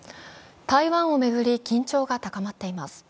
台湾を巡り緊張が高まっています。